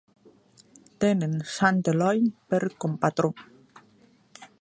Tenen sant Eloi per compatró.